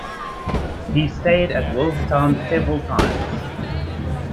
He stayed at Willstown several times.